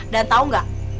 dan tau gak